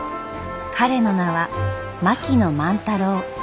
彼の名は槙野万太郎。